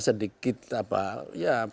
sedikit apa ya